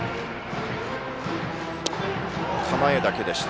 構えだけでした。